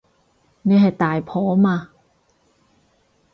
你係大婆嘛